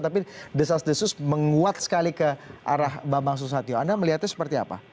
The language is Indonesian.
tapi desas desus menguat sekali ke arah bambang susatyo anda melihatnya seperti apa